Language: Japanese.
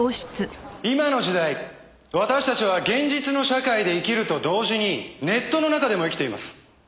今の時代私たちは現実の社会で生きると同時にネットの中でも生きています。